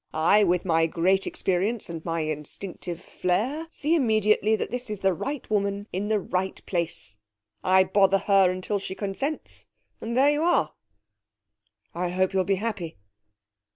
I, with my great experience and my instinctive flair, see immediately that this is the right woman in the right place. I bother her until she consents and there you are.' 'I hope you'll be happy.'